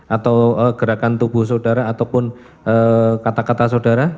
atau gerakan tubuh saudara ataupun kata kata saudara